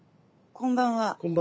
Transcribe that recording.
こんばんは。